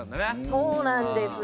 そうなんです。